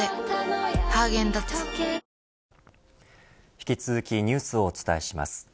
引き続きニュースをお伝えします。